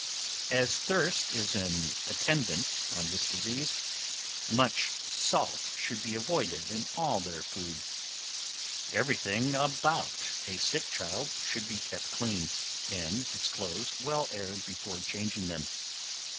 As thirst is an attendant on this disease, much salt should be avoided in all their food. Every thing about a sick child should be kept clean, and its clothes well aired before changing them.